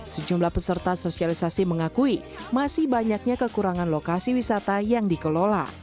sejumlah peserta sosialisasi mengakui masih banyaknya kekurangan lokasi wisata yang dikelola